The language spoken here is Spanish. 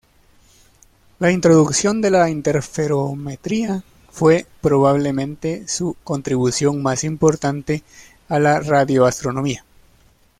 La introducción de la interferometría fue probablemente su contribución más importante a la radioastronomía.